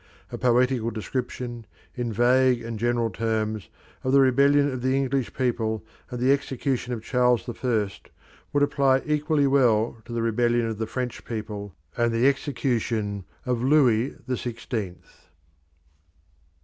A poetical description, in vague and general terms, of the rebellion of the English people and the execution of Charles the First would apply equally well to the rebellion of the French people and the execution of the Louis the Sixteenth.